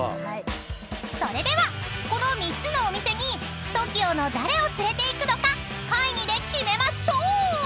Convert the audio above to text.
［それではこの３つのお店にＴＯＫＩＯの誰を連れていくのか会議で決めましょう！］